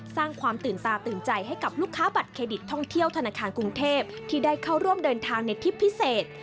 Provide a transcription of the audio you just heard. สร้างความตื่นตาตื่นใจให้กับลูกค้าบัตรเครดิตท่องเที่ยวธนาคารกรุงเทพที่ได้เข้าร่วมเดินทางในทริปพิเศษ